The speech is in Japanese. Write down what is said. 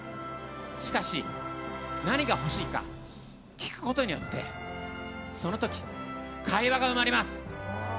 しかし、何が欲しいか聞くことによってその時、会話が生まれます。